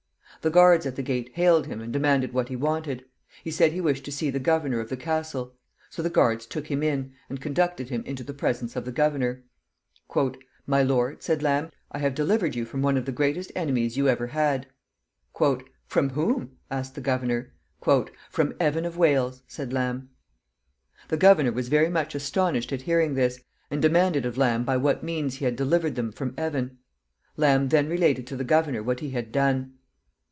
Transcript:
The guards at the gate hailed him and demanded what he wanted. He said he wished to see the governor of the castle. So the guards took him in, and conducted him into the presence of the governor. "My lord," said Lamb, "I have delivered you from one of the greatest enemies you ever had." "From whom?" asked the governor. "From Evan of Wales," said Lamb. The governor was very much astonished at hearing this, and demanded of Lamb by what means he had delivered them from Evan. Lamb then related to the governor what he had done.